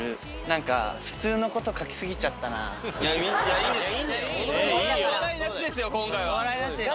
いいんですよ。